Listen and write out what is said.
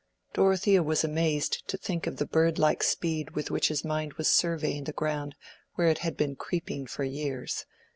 Dorothea was amazed to think of the bird like speed with which his mind was surveying the ground where it had been creeping for years.